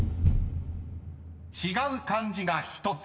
［違う漢字が１つ。